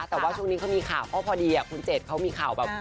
แต่ว่าช่วงนี้เขามีข่าวก็พอดีคุณเจ็ดเขามีข่าวแบบ